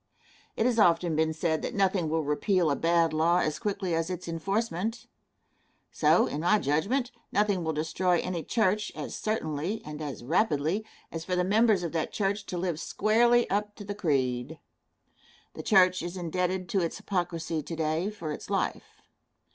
It has often been said that nothing will repeal a bad law as quickly as its enforcement. So, in my judgment, nothing will destroy any church as certainly, and as rapidly, as for the members of that church to live squarely up to the creed. The church is indebted to its hypocrisy to day for its life.